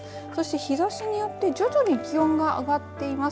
日ざしによって徐々に気温が上がっています。